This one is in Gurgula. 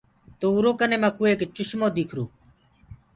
تو اُرو ڪني مڪوُ ايڪ چشمو ديکرو۔